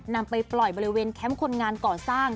นำไปปล่อยบริเวณแคมป์คนงานก่อสร้าง